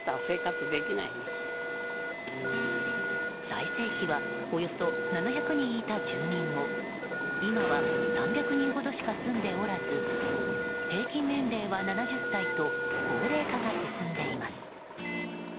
最盛期はおよそ７００人いた住民も今は３００人ほどしか住んでおらず平均年齢は７０歳と高齢化が進んでいます。